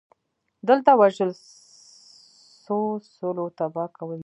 دلته وژل سوځول او تباه کول دي